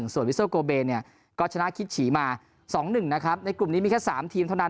ส่วนกาชนะคิดฉีมา๒๑นะครับในกลุ่มนี้แค่๓ทีมเท่านั้น